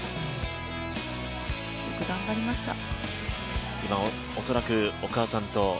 よく頑張りました。